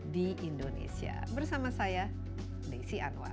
di indonesia bersama saya desi anwar